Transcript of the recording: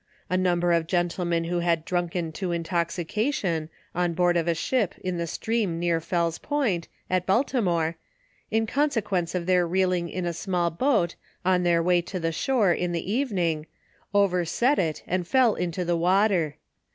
A num ber of gentlemen who had drunken to intoxication, on board a ship in the stream, near Fell's Point, at Balti more, in consequence of their reeling in a small boat, ou their way to the shore, in the evening, overset it, and fell into the water.